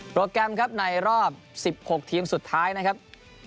แกรมครับในรอบ๑๖ทีมสุดท้ายนะครับ